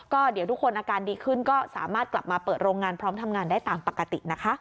ก็เดี๋ยวทุกคนอาการดีขึ้นก็สามารถกลับมาเปิดโรงงานพร้อมทำงานได้ตามปกตินะคะ